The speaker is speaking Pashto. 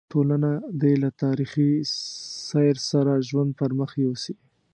ټولنه دې له تاریخي سیر سره ژوند پر مخ یوسي.